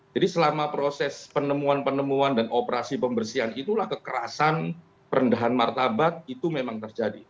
jadi selama proses penemuan penemuan dan operasi pembersihan itulah kekerasan perendahan martabat itu memang terjadi